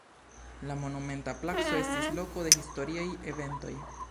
La monumenta placo estis loko de historiaj eventoj.